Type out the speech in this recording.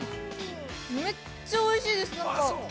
◆めっちゃおいしいです。